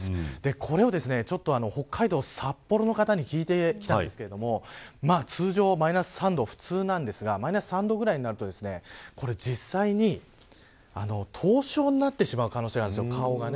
これを北海道、札幌の方に聞いてきたんですけれども通常、マイナス３度は普通なんですがマイナス３度ぐらいになると実際に凍傷になってしまう可能性があるんです、顔がね。